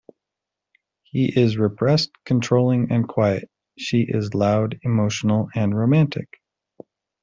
He is repressed, controlling, and quiet; she is loud, emotional, and romantic.